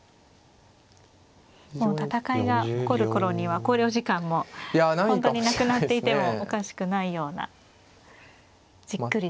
もう戦いが起こる頃には考慮時間も本当になくなっていてもおかしくないようなじっくりとした。